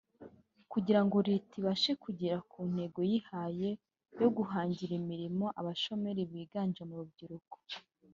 kugira ngo Leta ibashe kugera ku ntego yihaye yo guhangira imirimo abashomeri biganje mu rubyiruko